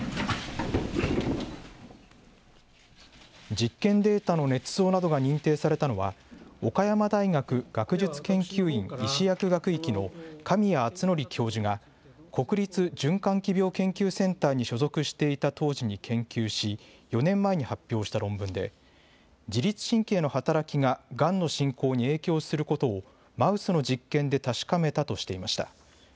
実験データのねつ造などが認定されたのは、岡山大学学術研究院医歯薬学域の神谷厚範教授が、国立循環器病研究センターに所属していた当時に研究し、４年前に発表した論文で、自律神経の働きががんの進行に影響することを、マウスの実験で確かめたとしていました。